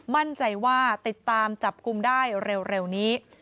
มั่นใจว่าติดตามจับกลุ่มได้เร็วนี้